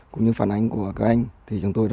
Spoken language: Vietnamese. cũng như phần ánh của các anh